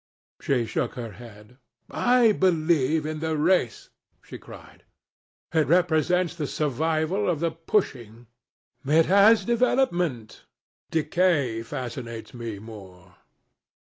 She shook her head. "I believe in the race," she cried. "It represents the survival of the pushing." "It has development." "Decay fascinates me more."